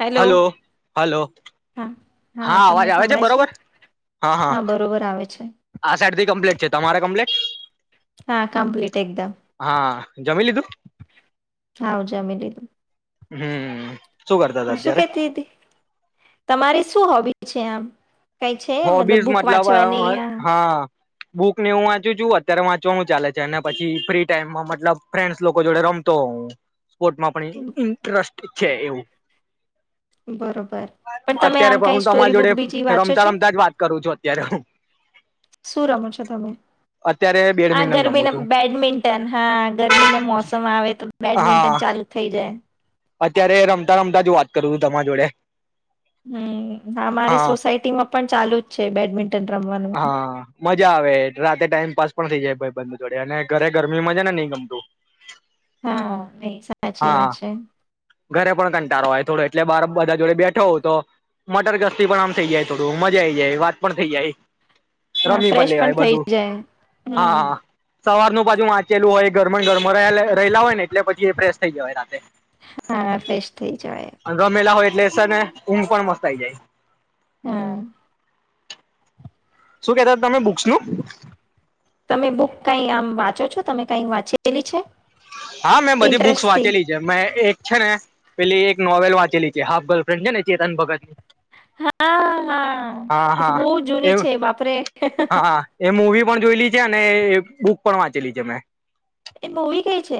Hello hello hello હા હા અવાજ તમને આવે સંભળાય છે બરોબર હા બરોબર આવે છે. આ સાઇડથી કમ્પ્લેટ છે. તમારે કમ્પ્લેટ. હા કમ્પ્લીટ એકદમ. જમી લીધું? હાવ જમી લીધું. હમ્મ. હું શું કેતી તીતી તમારી શું હોબીટ છે આમ. કઈ છે હોબીઝ બુક મતલબ હ વાંચવાની આ હા. બુક ને હું વાંચું છું અત્યારે વાંચવાનું ચાલે છે અને પછી ફ્રી ટાઈમમાં મતલબ ફ્રેન્ડસ લોકો જોડે રમતો હોઅ. સ્પોર્ટમાં પણ ઇન્ટરેસ્ટ છે એવું. બરોબર પણ તમે અત્યારે આમ પણ હું કઈ તમારી સ્ટોરી જોડે બુક બીજી વાંચો રમતા છો રમતા જ વાત કરું છું અત્યારે હહહ. શું રમો છો તમે અત્યારે આ બેડમિન્ટન રમું ગરમીના છું બેડમિન્ટન હા ગરમીના મોસમ આવે તો બેડમિન્ટન હા ચાલુ થઈ જાય. અત્યારે રમતા રમતા જ વાત કરું છું તમારા જોડે. હમ હ અમારી હા સોસાયટીમાં પણ ચાલુ જ છે બેડમિન્ટન રમવાનું. હા મજા આવે રાતે ટાઈમ પાાસ પણ થઈ જાય ભાઈ બંધ જોડે અને ઘરે ગરમીમાં છે ને નહી ગમતું. હા તેજ. હા ઘરે પણ કંટાળો આય થોડે એટલે બાર બધા જોડે બેઠો હોઉ તો મટરગસ્તી પણ આમ થઇ જાય થોડું મજા આઈ જાય વાત પણ થઈ જાય. હા રમી ફ્રેશ પણ લેવાય થઇ બધું જાય હમ. હા સવારનું પાછુ વાંચેલું હોય ઘરમ ઘરમાંલા રહેલા હોય ને એટલે પછી એ પ્રે થઈ જવાય રાતેે હા ફ્રેશ થઈ જવાય અને રમેલા હોય એટલે સર ને ઊંઘ પણ મસ્ત આઈ જાય. હા. શું કેતા તમે બુક્સનું તમે બુક કઈ આમ વાંચો છો તમે કઈ વાંચેલી છે. હા મેં બધી બુક્સ ઇન્ટરેસ્ટથી? વાંચેલી છે મેં એક છે ને પેલી એક નોવેલ વાંચેલી છે હાફ ગર્લફ્રેન્ડ છે ને ચેતન ભગતની હા હા એ તો હા બહુ જૂની એ છે બાપરે હા એ મુવી પણ જોયલી છે અને બુક પણ વાંચેલી છે અમે એ મૂવી કઈ છે.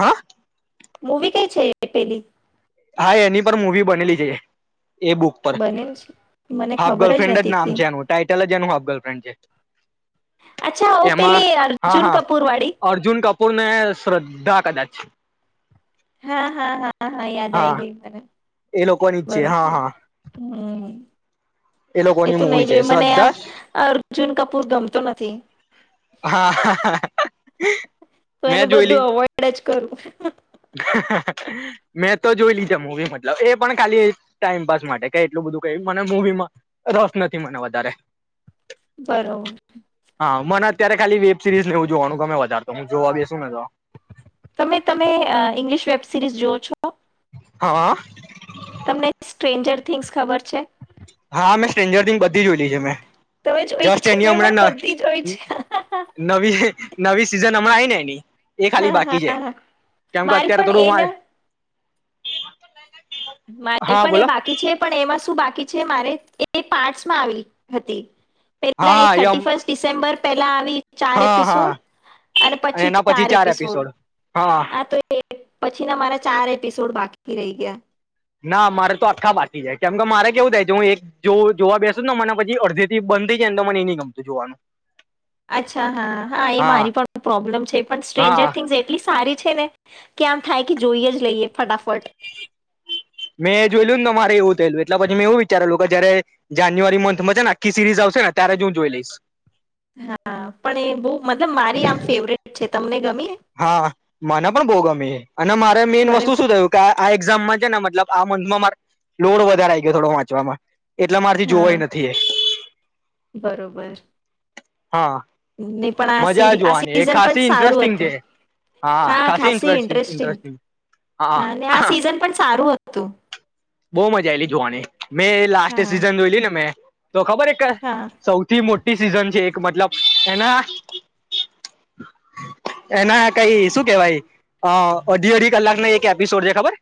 હા મૂવી કઈ છે એ પેલી હા એની પર મુૂવી બનેલી છે. એ બુક પર બનેલ છે મને હાફ ખબર ગર્લફ્રેન્ડ જ નથી નામ કે છે, એનું ટાઈટલ જ એનું હાફ ગર્લફ્રેન્ડ છે, અચ્છા ઓ એમાં પેલી હા, અર્જુન હા, કપૂર વાળી અર્જુન કપૂરને શ્રદ્ધા કદાચ હા. હા. હા. હા. હા. યાદ આઈ ગઈ મને. એ લોકોની જ છે બરોબર. હા હા હમ. એ લોકોની તોું મૂવી નહી છે જોય મને આમ શ્રદ્ધા અર્જુન કપૂર ગમતો નથી. હા હા હ. તો મેં એનું જોયલી. બધું અવોઈડ જ કરું. મેં તો જોઈ લીધા. મુવી મતલબ એ પણ ખાલી ટાઈમપાસ માટે ક એટલું બધું કઈ મને મુવીમાં રસ નથી મને વધારે. બરોબર. હા મને અત્યારે ખાલી વેબ સિરીઝ લેવું જોવાનું ગમે વધારે તો. હું જોવા બેશું. તમે તમે ઇંગ્લિશ વેબ સિરીઝ જોવ છો? હા હ. તમને સ્ટ્રેન્જર થિંગ્સ ખબર છે? હા. મેં સ્ટ્રેન્જર થી બધી જોઈલી છે મેં. તમે જોઈ જસ્ટ, છે એની આમ મેં પણ હમણાં હ બધી જોઈ છે ન નવી નવી સિઝન હમણાં આવી ને. [unintelligible] એ ખાલી હા બાકી છે, હા હા કેમ કે મારી અત્યારે પણ થોડું એ મા [inaudible] ને મારી પણ એ બાકી છે. પણ એમાં શું બાકી જે મારે એ પાર્ટસમાં આવી હતી પેલા એ હા થર્ટી એમ ફર્સ્ટ ડિસેમ્બર પેલા આવી. ચાર હા હા એપિસોડ અને પછી ચાર એપિસોડ હા, તો એ પછી ના મારા ચાર એપિસોડ બાકી રહી ગયા. ના મારે તો આખા બાકી છે, કેમ કે મારે કેવું થાય છે હું એક જો જોવા બેસુ ને મને પછી અડધી થી બંધ થઈ જાયને તો મને એ ન ગમતું જોવાનું. અચ્છા. હા. હા. એ મારી પણ પ્રોબ્લેમ છે પણ હા સ્ટ્રેન્જર થિંગ્સ એટલી સારી છે ને કે, આમ થાય કે જોઈએ જ લઈએ ફટાફટ મેં જોયલું ને મારે એવું થયેલું એટલે પછી મેં એવું વિચારેલું કે જયારે જાન્યુઆરી મંથમાં છેને આખી સિરીઝ આવશેને ત્યારે જ હું જોઈ લઈશ. હા. પણ એ બવ મારી આમ ફેવરેટ છે. તમને ગમે? હા. મને પણ બહુ ગમે અને મારે મેઈન મને વસ્તુ શું થયું કે, આ એક્ઝામમાં છે ને મતલબ આ મંથમાં મારે લોડ વધારે આઈ ગયો થોડો વાંચવામાં. એટલા મારીથી જોવાય હા નથી એ. બરોબર હા. નહી પણ આ મજા સી આ જોવાની, એ સીઝન પણ ખાસી સારું ઇન્ટરેસ્ટિંગ છે. હતું હા, ખાસી ઇન્ટરેસ્ટિંગ. હા, ને આ સિઝન પણ સારું હતું. બો મજા આયલી જોવાની. મેં લાસ્ટ હા હા સિઝન જોયલી ને મેં તો ખબર એક સૌથી મોટ ટી સીઝન છે, એક મતલબ, એના એના કઈ શું કેવાય, અહ અઢી અઢી કલાક ના એક એપિસોડ છે, ખબર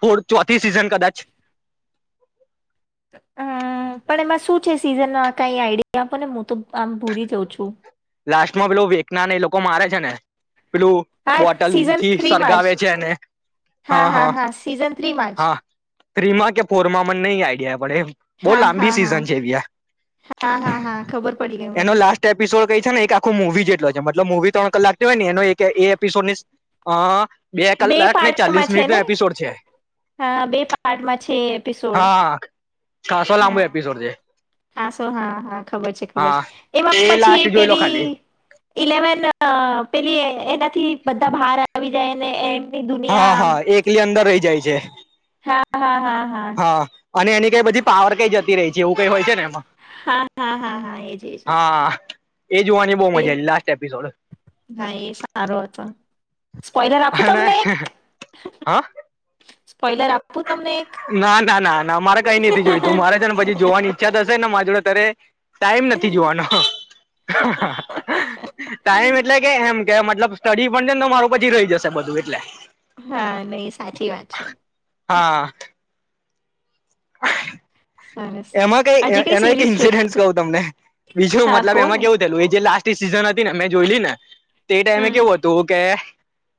ફૂ ચોથી સિઝન કદાચ. હમ્મ, પણ એમાં શું છે સીઝન, અહ કઈ આડીયા આપો ને હું તો આમ ભૂલી જાઉં છું. લાસ્ટ માં પેલું વેકનાને એ લોકો મારે છે ને પેલું હા બોટલ સિઝન થી થ્રીમાં સળગાવે જ છે એને હા, હા, હા. થ્રીમા કે ફોરમા મને નઈ આઈડિયા, એમ. પડે બહુ હા, લાંબી હા, સિઝન હા, છે ભૈયા હા, હા, હા ખબર પડી ગય. એનો લાસ્ટ એપિસોડ કઈ છે ને એક આખો મુવી જેટલો છે. મતલબ મૂવી ત્રણ કલાકની હોય ને એનો એક એ એપિસોડ ની અહ બે કલાક ને પાર્ટમાં ચાલીસ છે મિનિટ નો ને એપિસોડ છે. હા બે પાર્ટમાં છે એપિસોડ હા ખાસો લાંબો હા એપિસોડ છે. હા શો હા હા ખબર છે, ખબર હા છે. પછી એ લાસ્ટ જોઈ લો પેલી ખાલી ઇલેવન અહ પેલી એ એનાથી બધા બહાર આવી જેને એમ હા હા એકલી અંદર રહી જાય જે. હા હા હા, અને એની કઈ બધી પાવર કઈ જ બી રહી છે એવું કઈ હોય છે ને એમાં હા હા હા હા એજ એજ એજ. હા એ જોવાની બહુ એ મજા લાસ્ટ એપિસોડ. સ્પાઇડર આપું અને તમને એક. હા સ્પોઇલર આપું. તમને એક ના ના ના ના મારે કઈ નથી જોયું તું મારે છે ને પછી જોવાની ઈચ્છા થ હશે ને મારે જોડે તરે ટાઈમ નથી જોવાનો. ટાઈમ એટલે કે એમ કે મતલબ કઢી પણ ને તમારું પછી રહી જશે બધું એટલે. હા, નહીં સાચી વાત છે. હા સરસ [unintelligible] એમાં કઈ હજી એનો એક સિરીઝ જોઈ ઇન્સિડન્ટ કહું તમને બીજું હા મતલબ કહો એમાં ને કેવું થયેલું જે લાસ્ટ [unintelligible] સિઝન હતી ન. મેં જોયેલી ન. તે ટાઈમે હમ કેવું હતું કે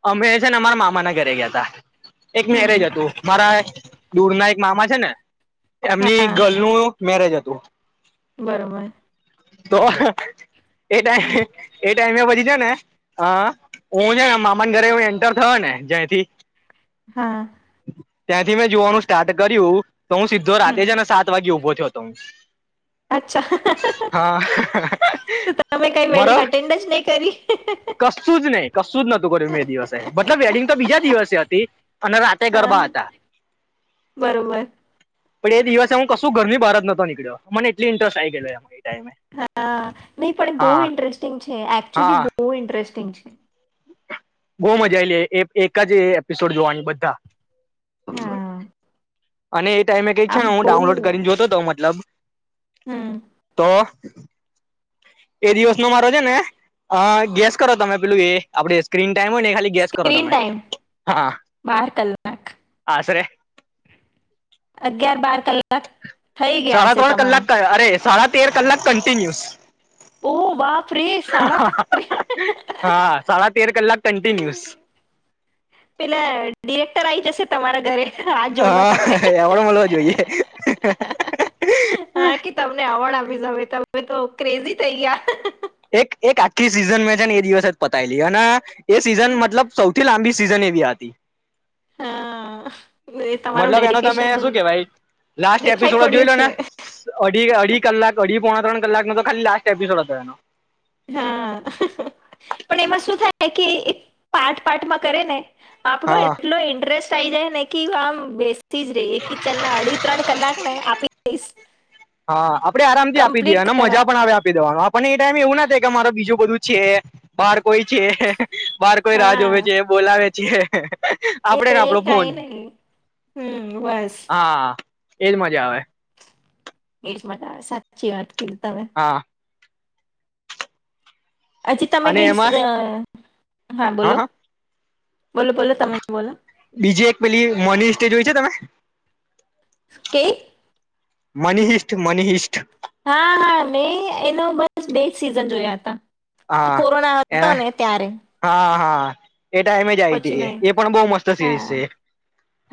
અમે છે ને અમારા મામા ના ઘરે ગયાતા. એક હમ મેરેજ હતું મારા દૂર ના એક મામા છે ને એમની હા ગર્લ નું મેરેજ હતું. તો બરોબર. તો એ ટાઈમે એ ટાઈમે પછી છે ને હા, હું છે ને મામા ઘરે એન્ટર થયો ને જ્યાથી હા. ત્યાંથી મેં જોવાનું સ્ટાર્ટ કર્યું તો હું સીધો રાતે હમ જ ને સાત વાગે ઊભો થયો તો. અચ્છા તો તમે કંઈ વેડિંગ મારો એટેન્ડ જ નહી કરી? સુું જ નતું કર્યું મેં એ દિવસે મતલબ વેડિંગ તો બીજા દિવસે હતી અને રાતે હા ગરબા હતા. બરોબર પણ એ દિવસે હું કશું ઘરની બહાર જ નતો નીકળ્યો. મને એટ ઇન્ટરેસ્ટ આવી ગયો એમાં. ટાઈમે હા નહી પણ એ બહુ હા ઇન્ટરેસ્ટિંગ છે, એકચુલી હા બહુ ઇન્ટરેસ્ટિંગ છે. બહુ મજા આયેલી એ એક જ એપિસોડ જોવાની બધા. હા. અને એ ટમે કઈ છે આમ હું ડાઉલોડ કરીને જોતો હતો મતલબ હમ્મ. તો એ દિવસ નો મારો છે ને અ ગેસ કરો તમે પેલું એ આપડે સ્ક્રીન ડાયમંડ એ ખાલી ગેસ કરો સ્ક્રીન તમે. ટાઈમ હા, બાર આસરે? અગયાર બાર કલાક થઇ ગયા સાડા હશે ત્રણ તમારા. કલાક અરે સાડા તેર કલાક કન્ટિન્યુસ. ઓ બાપરે સાડા હા સાડા તેર કલાક કન્ટિન્યુસ. પેલા ડિરેક્ટર આવી જશે તમારા ઘરે હાથ જોડવા હા તમને એ મળવા જોઈએ હા કે તમને અવોર્ડ તમે તો ક્રેઝી થઈ ગયા. એક એક આખી સિઝન મેં છે ને એ દિવસ જ પતાયે લી અને એ સિઝન મતલબ સૌથી લાંબી સિઝન એવી હતી. હા એ તમારું મતલબ એનો તમે ડેડિકેશન શું કેવાય લાસ્ટ દેખાઈ એપિસોડ જોઈ પડ્યું લો ને છે અઢી અઢી કલાક અઢી પોણા ત્રણ કલાકનો તો ખાલી લાસ્ટ એપિસોડ હતો એનો હા પણ એમાં શું થાય કે પાઠ પાઠમાં કરે ને આપડો હા એટલો ઇન્ટરેસ્ટ થઈ જાય નનેકી આમ બે સીઝ ર એ કિચન ના અઢી ત્રણ કલાક આપીશ હા આપડે આરામ થી આપી દઈએ અને મજા પણ આવે આપી દેવાનો આપને એ ટાઈમે એવું ના થાય કે મારો બીજું બધું છે બહાર કોઈ છે. બાર કોઈ રાહ જોવે હા છે બોલાવે જી એ કઈ નહી હમ બસ હા એજ મજા આવે એ જ મા સાચી વાત કરી હા હછી તમે અને કઈ એમાં હા હ બોલો હ બોલો બોલો તમે બોલો કે જોય છે તમે કે મની હિસ્ટ મનીહિસ્ટ હા હા મેં એનો બસ બે જ સિઝન જોયા હતા હા કોરોના હતો એને ને ત્યારે હા હા હ. એ ટાઈમે જ આવી પછી છે નહી એ પણ બહ મસ્ત સિરીઝ હા છે.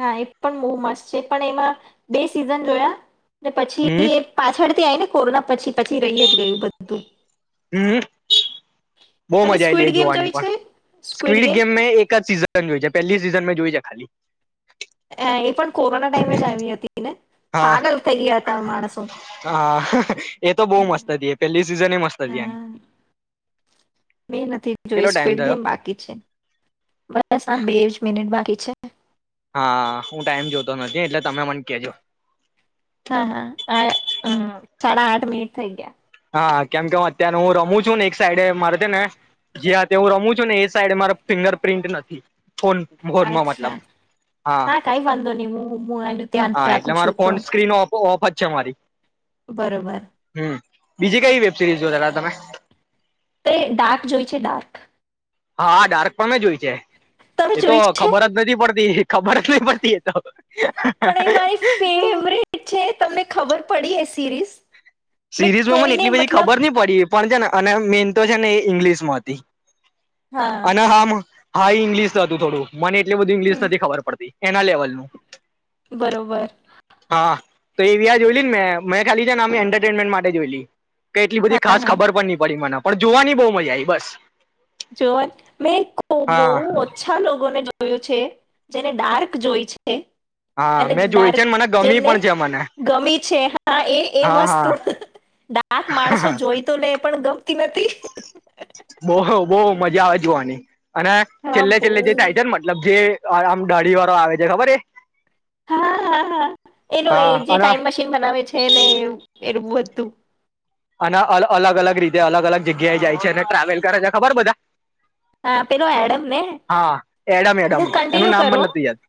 હા એ પણ બહુ મસ્ત છે પણ એમાં બે સિઝન જોયા ને હમ પછી પાછળથી આય ને કોરોના પછી પછી રહી જ ગયું બધું હમ બહુ તમે મજા આલી સ્ક્વિડ ગેમ જોવાની જોઈ છે પણ સ્વીડ ગેમ એક જ સીઝન જો પહેલી સિઝન જોઈ છે ખાલી હ એ પણ કોરોના ટાઈમે જ આવી હતી ને હા પાગલ થઈ ગયા હતા માણસો હા એ તો હ બહુ મસ્ત હતી એ પેલી સિઝન એ મસ્ત હતી એની હ મે નથી જોઈ કેટલો ટાઈમ સ્પીડ થયો ગેમ બાકી છે બસ આ બે જ મિનિટ બાકી છે. હા હું ટાઈમ જોતો નથી એટલે તમે મને કેજો હા હા સાડા આઠ મિનિટ થઈ ગયા. હા કેમ કે હ અત્યારે હું રમું છું ને એક સાઈડે મારે ને જે્યા હું રમું છું ને એ સાઈડ મારે ફિંગર પ્રિન્ટ નથી. ફોન ગયા ફોનમાં મતલબ અચ્છા હા કઈ વાંધો નહી હું હું એનું ધ્યાન હા એટલે રાખું મારો છું તો ફોન સ્ક્રીન ઓફ જ છે મારી. બરોબર. હમ બીજી કઈ વેબસીરીઝ જો તમે? તે ડાર્ક જોઈ છે ડાર્ક હા ડાર્ક પણમે જો હોય છે. તમે એતો જોઈ છે ખબર જ નથી પડતી. ખબર જ નહી પડતી એ તો પણ એ મારી ફેવરેટ છે તમને ખબર પડી એ સિરીઝ. મેં સિરીઝમાં મને કોઈને એટલી બધી મતલબ ખબર નની પડી. પણ છે ને અને મેન તો છે ને ઇંગ્લિશ માંથી. હા અને હામાં હા ઇંગ્લિશ હતું થોડું મને એટ બધું ઇંગ્લિશ હમ, નથી ખબર પડતી એના લેવલ ન બરોબર હા. તો એવી આ જોઈ લને મેં મને ખાલી નામે એડ ટ્રીટમેન્ટ માટે જોઈ લલી. કે એટલી બધી હા ખાસ હા ખબર પણ નહી પડી મને. પણ જોવાની બહુ મજા આવીઈ બસ. જોન મેં ખબ બહુ હા ઓ્છા લોકોને જો જોયો છે જેને ડાર્ક જોય છે. હા અને મેં જોઈ છે ડાર્ક ને મને ગમી જેમને પણ છે મને ગમી છે હા એ એ હા હા વસ્તુ ડાક માણસો જોઈ તો લે પણ. [inaudible] બહ બઓ મજા આવે જોવાની. અને હા છેલ્લે બહુ છેલ્લે જે થાય છેર ને મતલબ જે આમ દાઢી વાળો આવે છે ખબર હે? હા હ હા એનો એ જે અને ટાાઈમ મશીન બનાવે છે ને. [unintelligible] અને અલગ અલગ રીતે અલગ અલગ જગ્યાએ જાય છે અને ટ્રાવેલ કરે છે ખબર બધા? હા પેલો એડમ ને હા એડમ એડમ હું એનું કન્ટિન્યુ નામ મને કરું નથી યાદ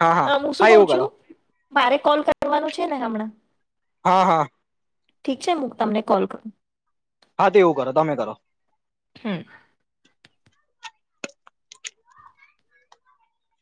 હા હા હું શું હા કઉ એવું છું કરો મારે કોલ કરવાનું છે ને હમણાં. હા હા ઠીક છે હું તમને કોલ કરું. હા તેવું કરો તમે કરો. હમ